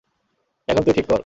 এখন তুই ঠিক কর।